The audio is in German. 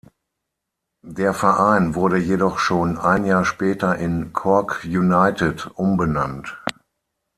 Der Verein wurde jedoch schon ein Jahr später in Cork United umbenannt.